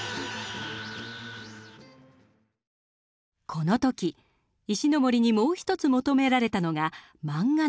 この時石森にもう一つ求められたのが漫画の連載。